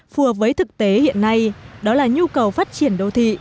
phù hợp với thực tế hiện nay đó là nhu cầu phát triển đô thị